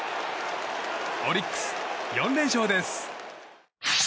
オリックス、４連勝です。